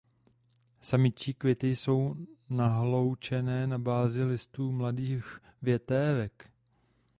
Samčí květy jsou nahloučené na bázi listů mladých větévek.